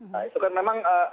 nah itu kan memang